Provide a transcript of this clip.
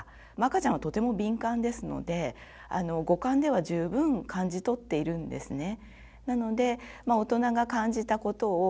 赤ちゃんはとても敏感ですので五感では十分感じ取っているんですね。